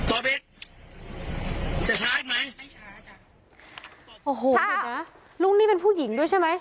โอ้โหพอปอบอบแล้วลูกนี้เป็นผู้หญิงด้วยใช่ไหม